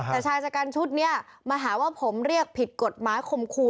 แต่ชายจักรการชุดเนี่ยมาหาว่าผมเรียกผิดกฎหมายขมขู่